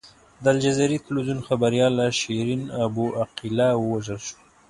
د الجزیرې ټلویزیون خبریاله شیرین ابو عقیله ووژل شوه.